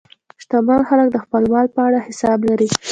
شتمن خلک د خپل مال په اړه حساب لري.